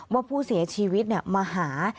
ว่าผู้เสียชีวิตเนี่ยมาหา